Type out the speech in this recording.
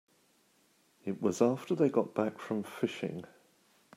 It was after they got back from fishing.